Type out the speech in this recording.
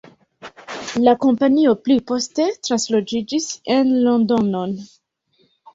La kompanio pli poste transloĝiĝis en Londonon.